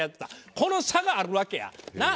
この差があるわけや。なあ？